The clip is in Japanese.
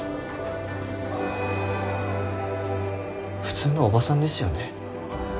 普通のおばさんですよね。